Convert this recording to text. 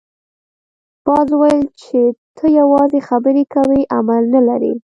باز وویل چې ته یوازې خبرې کوې عمل نه لرې.